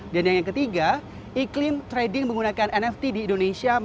dan yang ketiga iklim trading menggunakan nft di indonesia